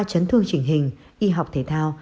trấn thương trình hình y học thể thao